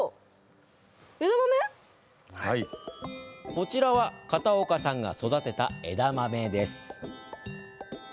こちらは片岡さんが育てた枝豆です。